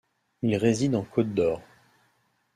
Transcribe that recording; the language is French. Il réside en Côte d'Or.